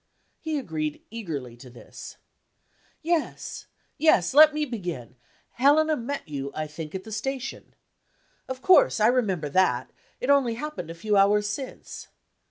He agreed eagerly to this: "Yes! Yes! Let me begin. Helena met you, I think, at the station. Of course, I remember that; it only happened a few hours since.